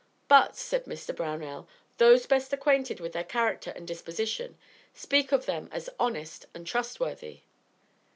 "But," says Mr. Brownell, "those best acquainted with their character and disposition, speak of them as honest and trustworthy."